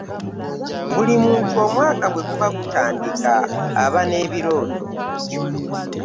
Buli muntu omwaka bwe guba gutandika aba n'ebirooto.